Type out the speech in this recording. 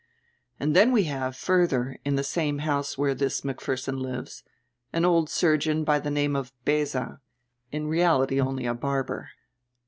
And then we have, further, in the same house where this Macpherson lives, an old surgeon by the name of Beza, in reality only a barber.